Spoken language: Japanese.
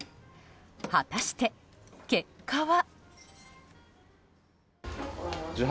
果たして、結果は。